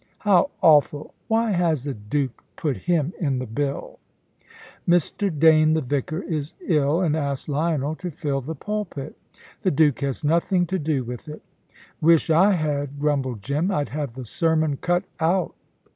"How awful! Why has the Duke put him in the bill?" "Mr. Dane, the vicar, is ill, and asked Lionel to fill the pulpit. The Duke has nothing to do with it." "Wish I had," grumbled Jim. "I'd have the sermon cut out."